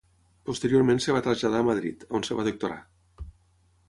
Posteriorment es va traslladar a Madrid, on es va doctorar.